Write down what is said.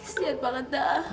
setia banget dah